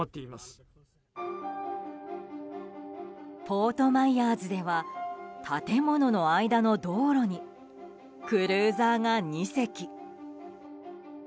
フォート・マイヤーズでは建物の間の道路にクルーザーが２隻。